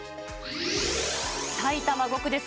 埼玉５区です。